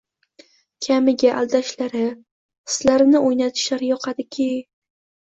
Kamiga aldashlari, hislarini o‘ynatishlari yoqadiki...